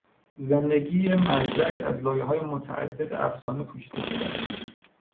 زندگی مزدک از لایههای متعدد افسانه پوشیده شده است.